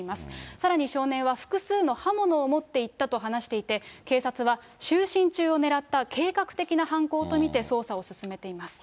さらに少年は、複数の刃物を持っていったと話していて、警察は就寝中をねらった計画的な犯行と見て、捜査を進めています。